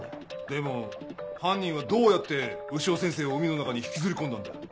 でも犯人はどうやって潮先生を海の中に引きずり込んだんだよ？